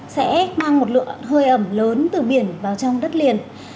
sẽ mang một lượng hơi ẩm lớn từ biển vào trong đất liền